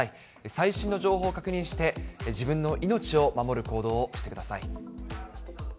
最新の情報を確認して、自分の命を守る行動をしてください。